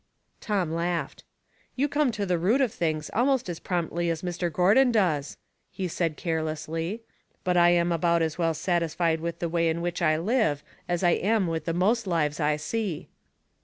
Tom laughed. " You come to the root of things almost as promptly as Mr. Gordon does," he said careless ly. But I am about as well satisfied with the way in which I live as I am with the most Uvea I see."